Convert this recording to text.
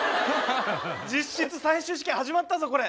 実質最終試験始まったぞこれ！